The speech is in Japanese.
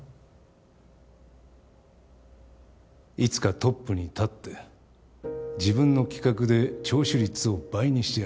いつかトップに立って自分の企画で聴取率を倍にしてやる。